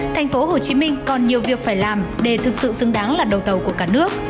thành phố hồ chí minh còn nhiều việc phải làm để thực sự xứng đáng là đầu tàu của cả nước